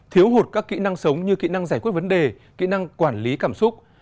thiếu hụt các kỹ năng sống như kỹ năng giải quyết vấn đề kỹ năng quản lý cảm xúc